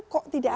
kok tidak bisa